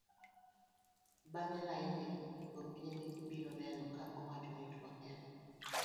bang' lainde go pinyne ibiro neno ka owach ni twak en